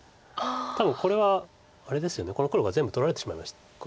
多分これはこの黒が全部取られてしまいました。